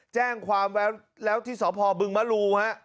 แจ้งความไว้แล้วที่สพบึงมรูฮะ